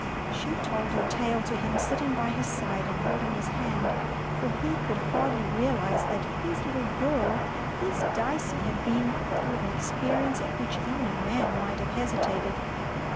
She told her tale to him, sitting by his side and holding his hand, for he could hardly realise that his little girl, his Dicey, had been through an experi ence at which even a man might have hesitated.